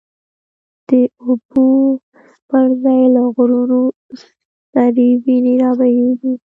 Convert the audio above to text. د اوبو پر ځای له غرونو، سری وینی را بهیږی